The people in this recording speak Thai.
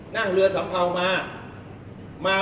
นั่งเรือสัมเภามา